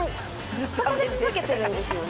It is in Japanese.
ずっと食べ続けてるんですよね。